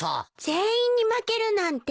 全員に負けるなんて。